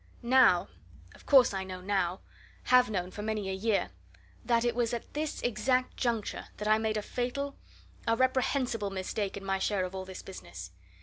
Now, of course I know now have known for many a year that it was at this exact juncture that I made a fatal, a reprehensible mistake in my share of all this business.